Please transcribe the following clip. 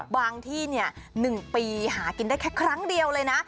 บางที่๑ปีหากินได้แค่ครั้งเดียวเลยนะ